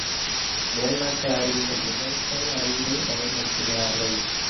மேநாட்டு அறிஞர்கள் விமர்சன அறிவைப் பயன்படுத்துகிறார்கள்.